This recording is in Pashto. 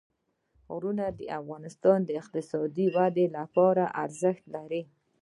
غرونه د افغانستان د اقتصادي ودې لپاره ارزښت لري.